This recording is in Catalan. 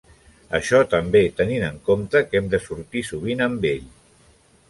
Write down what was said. Això també tenint en compte que hem de sortir sovint amb ell.